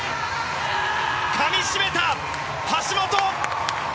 かみしめた、橋本！